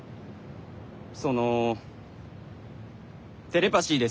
そのテレパシーです。